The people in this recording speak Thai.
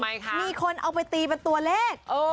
มีคนเอาไปตีเป็นตัวเลข